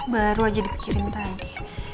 baru aja dipikirin tadi